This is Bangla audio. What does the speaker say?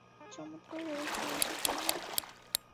চমৎকার হয়েছে রসিকবাবু!